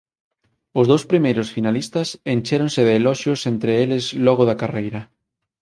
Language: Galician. Os dous primeiros finalistas enchéronse de eloxios entre eles logo da carreira.